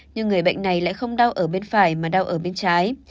nhưng người bệnh này lại không đào ở bên phải mà đào ở bên trái